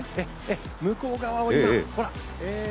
向こう側を今、ほら！